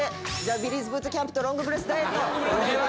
ビリーズブートキャンプとロングブレスダイエット。